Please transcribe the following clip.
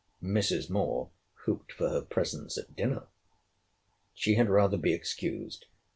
Mrs. Moore hoped for her presence at dinner. She had rather be excused.